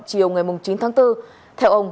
chiều ngày chín tháng bốn theo ông